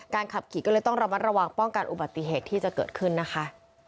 ขับขี่ก็เลยต้องระมัดระวังป้องกันอุบัติเหตุที่จะเกิดขึ้นนะคะ